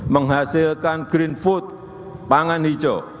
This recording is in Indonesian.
menghasilkan green food pangan hijau